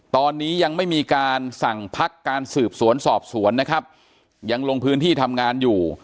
ตอนนี้ยังไม่มีการสั่งพักการสืบสวนสอบสวนนะครับยังลงพื้นที่ทำงานอยู่